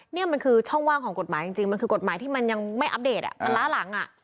นี่มันคือช่องว่างของกฎหมายจริงมันคือกฎหมายที่มันยังไม่อัปเดตมันล้าหลัง